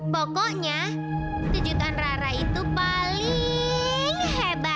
pokoknya kejutan rara itu paling hebat